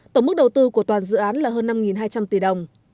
tổng mức đầu tư của toàn dự án là hơn năm hai trăm linh tỷ đồng